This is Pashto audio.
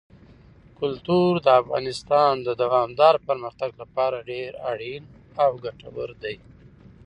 کلتور د افغانستان د دوامداره پرمختګ لپاره ډېر اړین او ګټور دی.